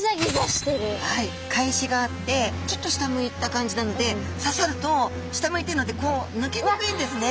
かえしがあってちょっと下向いた感じなので刺さると下向いてるので抜けにくいんですね。